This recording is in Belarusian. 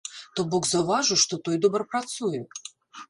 То бок заўважыў, што той добра працуе!